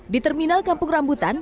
di terminal kampung rambutan